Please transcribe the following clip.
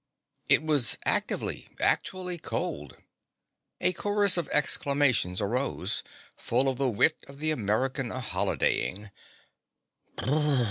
It was actively, actually cold. A chorus of exclamations arose, full of the wit of the American a holidaying.